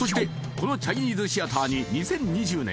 このチャイニーズシアターに２０２０年